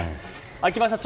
秋葉社長